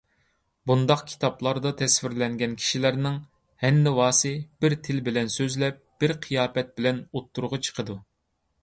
بۇنداق كىتابلاردا تەسۋىرلەنگەن كىشىلەرنىڭ ھەننىۋاسى بىر تىل بىلەن سۆزلەپ، بىر قىياپەت بىلەن ئوتتۇرىغا چىقىدۇ.